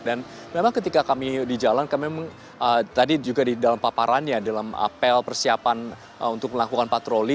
dan memang ketika kami di jalan kami memang tadi juga di dalam paparannya dalam apel persiapan untuk melakukan patroli